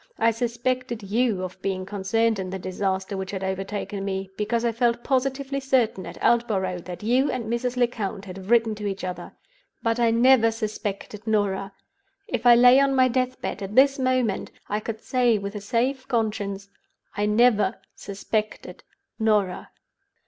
I suspected you of being concerned in the disaster which had overtaken me—because I felt positively certain at Aldborough that you and Mrs. Lecount had written to each other. But I never suspected Norah. If I lay on my death bed at this moment I could say with a safe conscience I never suspected Norah.